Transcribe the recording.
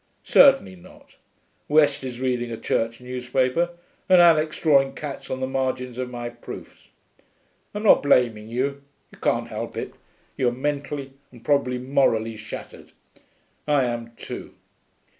Certainly not. West is reading a Church newspaper, and Alix drawing cats on the margins of my proofs.... I'm not blaming you; you can't help it; you are mentally, and probably morally, shattered. I am too.